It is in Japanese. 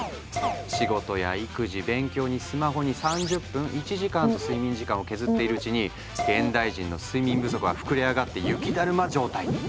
仕事や育児勉強にスマホに３０分１時間と睡眠時間を削っているうちに現代人の睡眠不足は膨れ上がって雪だるま状態に。